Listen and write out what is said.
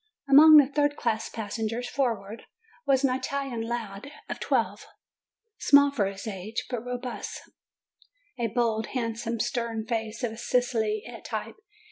Among the third class passengers forward, was an Italian lad of twelve, small for his age, but robust; a bold, handsome, stern face, of Sicilian type.